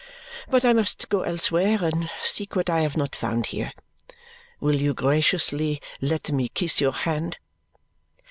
But I must go elsewhere and seek what I have not found here. Will you graciously let me kiss your hand?"